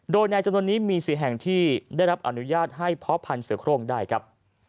โดยในจำนวนนี้มี๔แห่งที่ได้รับอนุญาตให้เพาะพันธ์เสือโครงได้ครับ